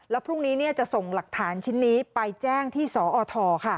แล้วพรุ่งนี้จะส่งหลักฐานชิ้นนี้ไปแจ้งที่สอท